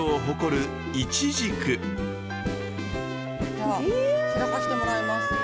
じゃあ開かせてもらいます。